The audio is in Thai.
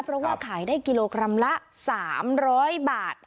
เพราะว่าขายได้กิโลกรัมละ๓๐๐บาท